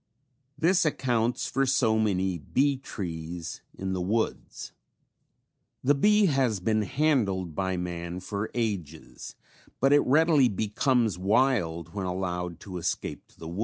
This accounts for so many bee trees in the woods. The bee has been handled by man for ages, but it readily becomes wild when allowed to escape to the woods.